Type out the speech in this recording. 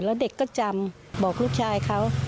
แล้วเด็กก็จำบอกลูกชายเขา